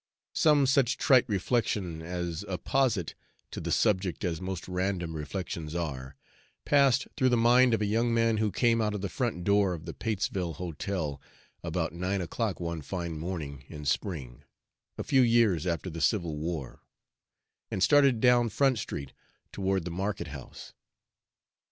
Some such trite reflection as apposite to the subject as most random reflections are passed through the mind of a young man who came out of the front door of the Patesville Hotel about nine o'clock one fine morning in spring, a few years after the Civil War, and started down Front Street toward the market house.